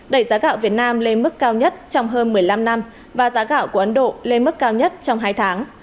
đẩy giá gạo việt nam lên mức cao nhất trong hơn một mươi năm năm và giá gạo của ấn độ lên mức cao nhất trong hai tháng